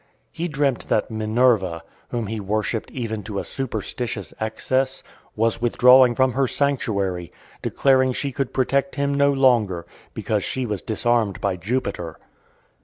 He dreamt that Minerva, whom he worshipped even to a superstitious excess, was withdrawing from her sanctuary, declaring she could protect him no longer, because she was disarmed by Jupiter.